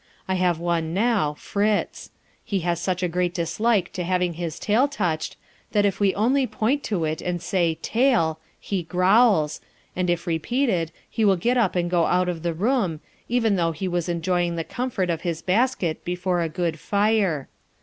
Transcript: I have one now (Fritz); he has such a great dislike to having his tail touched that if we only point to it and say "Tail!" he growls, and if repeated he will get up and go out of the room, even though he was enjoying the comfort of his basket before a good fire.